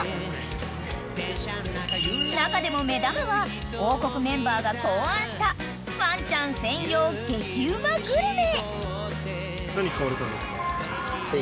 ［中でも目玉は王国メンバーが考案したワンちゃん専用激うまグルメ］